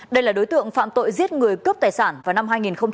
đây là đối tượng phạm tội giết người cướp tài sản vào năm hai nghìn một mươi